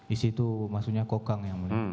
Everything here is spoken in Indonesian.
isi itu maksudnya kokang yang mulia